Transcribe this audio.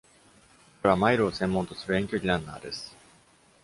彼は、マイルを専門とする遠距離ランナーです。